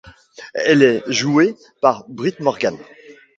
Elle est jouée par Brit Morgan.